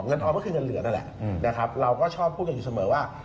เงินออกก็คือเงินเหลือนั่นแหละเราก็ชอบพูดอยู่เสมอว่า